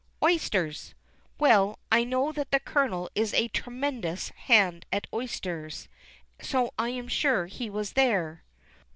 'Oysters.' Well, I know that the Colonel is a tremendous hand at oysters, so I am sure he was there.